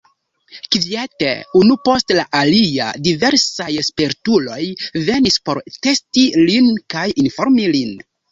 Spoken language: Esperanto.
Kviete, unu post la alia, diversaj spertuloj venis por testi lin kaj informi lin.